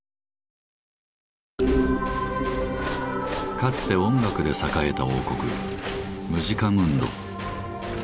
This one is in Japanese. かつて音楽で栄えた王国「ムジカムンド」。